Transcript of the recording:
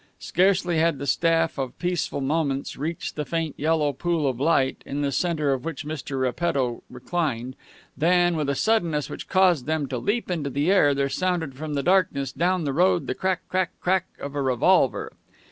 Scarcely had the staff of Peaceful Moments reached the faint yellow pool of light, in the center of which Mr. Repetto reclined, than, with a suddenness which caused them to leap into the air, there sounded from the darkness down the road the crack crack crack of a revolver.